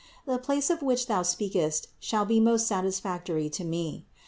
The place of which thou speakest shall be most satisfac tory to me.